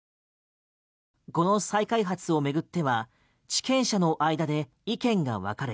この再開発を巡っては地権者の間で意見が分かれ